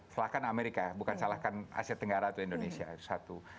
silahkan amerika bukan salahkan asia tenggara atau indonesia itu satu